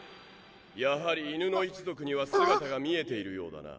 やはり犬の一族には姿が見えているようだな。